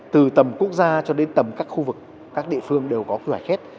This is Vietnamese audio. từ tầm quốc gia cho đến tầm các khu vực các địa phương đều có quy hoạch hết